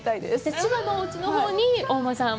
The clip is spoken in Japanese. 千葉のおうちのほうにお馬さんも？